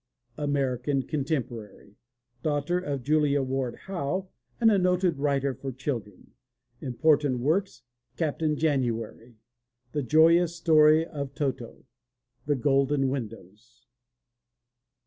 (American, contemporary) Daughter of Julia Ward Howe and a noted writer for children. Important Works: Captain January. The Joyous Story of Toto. The Golden Windows.